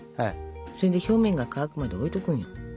それで表面が乾くまで置いとくのよ。